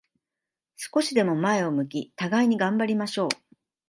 少しでも前を向き、互いに頑張りましょう。